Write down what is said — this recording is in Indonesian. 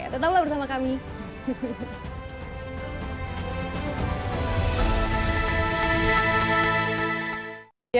tetap bersama kami